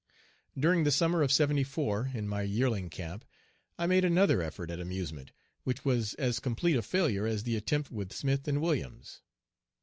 During the summer of '74, in my "yearling camp," I made another effort at amusement, which was as complete a failure as the attempt with Smith and Williams.